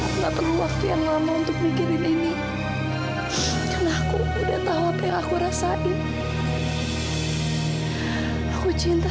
sampai jumpa di video selanjutnya